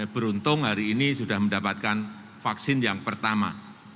beruntung hari ini sudah mendapatkan vaksin yang pertama